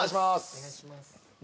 お願いします